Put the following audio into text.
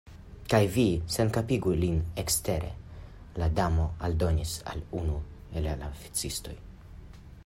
"Kaj vi senkapigu lin ekstere," la Damo aldonis al unu el la oficistoj.